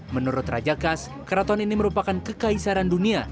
menurut raja kas keraton ini merupakan kekaisaran dunia